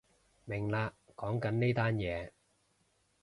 明喇，講緊呢單嘢